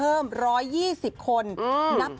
แต่ณตอนนี้เข้าใจแหละหลายคนอาจจะมีคนตกงงตกงานอยู่เยอะ